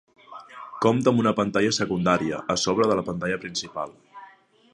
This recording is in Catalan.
Compta amb una pantalla secundària a sobre de la pantalla principal.